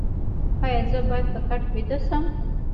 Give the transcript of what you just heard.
ایا زه باید په کټ ویده شم؟